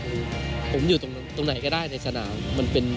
ผมอยู่ตรงไหนก็ได้ในสนาม